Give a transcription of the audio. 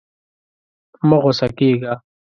مه غوسه کېږه.